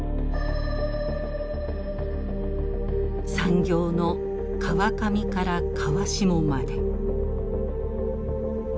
産業の川上から川下まで。